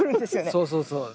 そうそうそう。